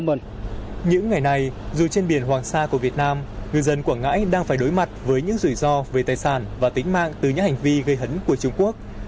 những ngày này dù trên biển hoàng sa của việt nam ngư dân quảng ngãi đang phải đối mặt với những rủi ro về tài sản và tính mạng từ những hành vi gây hấn của trung quốc